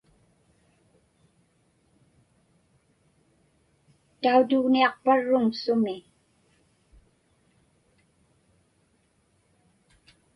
Tautugniaqparruŋ sumi?